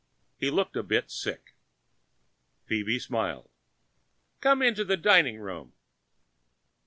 He looked a bit sick. She smiled. "Come into the dining room."